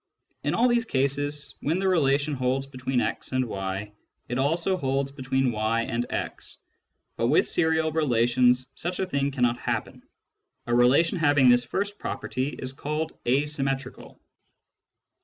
In all these cases, when the relation holds between x and y, it also holds between y and x. But with serial relations such a thing cannot happen. A relation having this first property is called asymmetrical.